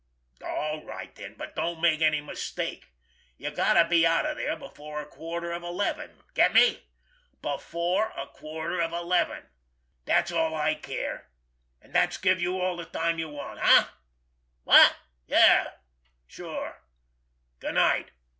All right then, but don't make any mistake. You got to be out of there before a quarter of eleven! Get me? Before a quarter of eleven—that's all I care, and that's give you all the time you want.... Eh?... Yes—sure.... Good night."